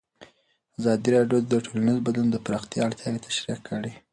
ازادي راډیو د ټولنیز بدلون د پراختیا اړتیاوې تشریح کړي.